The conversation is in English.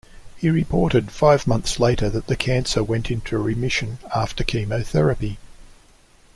He reported five months later that the cancer went into remission after chemotherapy.